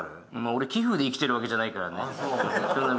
俺、寄付で生きてるわけじゃないからね。